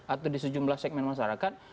atau di sejumlah segmen masyarakat